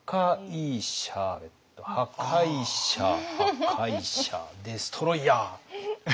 シャ破壊者デストロイヤー。